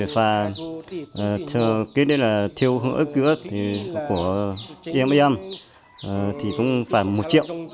và thiếu hữu ớt của em em thì cũng phải một triệu